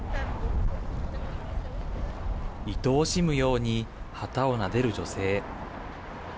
いとおしむように旗をなでる女性。